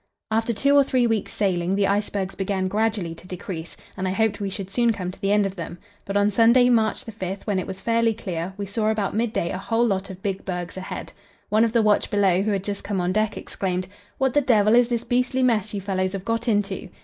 After two or three weeks' sailing the icebergs began gradually to decrease, and I hoped we should soon come to the end of them; but on Sunday, March 5, when it was fairly clear, we saw about midday a whole lot of big bergs ahead. One of the watch below, who had just come on deck, exclaimed: "What the devil is this beastly mess you fellows have got into?"